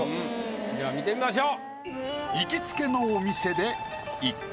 では見てみましょう。